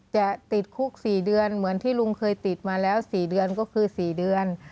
จะติดคุก๔เดือนเหมือนที่ลุงเคยติดมาแล้ว๔เดือนก็คือ๔เดือน